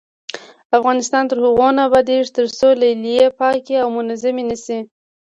افغانستان تر هغو نه ابادیږي، ترڅو لیلیې پاکې او منظمې نشي.